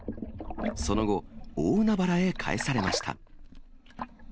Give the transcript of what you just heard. その後、大海原へ帰されました。